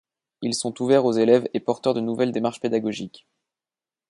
Ils sont ouverts aux élèves et porteurs de nouvelles démarches pédagogiques.